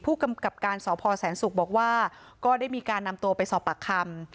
พูดกับการสอบพอแสนสุกบอกว่าก็ได้มีการนำตัวไปสอบปากคำ